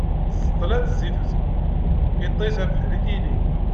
Ẓẓeṭla d zzit uzemmur, iṭij abeḥri tili.